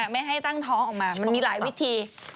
ไม่ให้ตั้งท้องออกมามันมีหลายวิธี